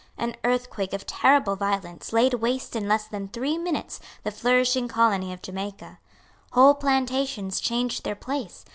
An earthquake of terrible violence laid waste in less than three minutes the flourishing colony of Jamaica. Whole plantations changed their place.